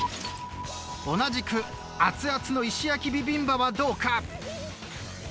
同じく熱々の石焼きビビンバはどうか？